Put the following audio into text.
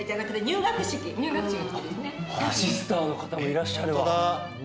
シスターの方もいらっしゃるわ。